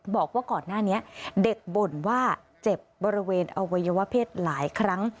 บอกว่าก่อนหน้านี้เด็กบ่นว่าเจ็บบริเวณอวัยวะเพศหลายครั้ง